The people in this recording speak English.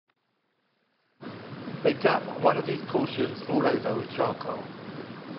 They daub one of these portions all over with charcoal.